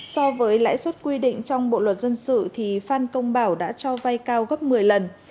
so với lãi suất quy định trong bộ luật dân sự thì phan công bảo đã cho vay cao gấp một mươi lần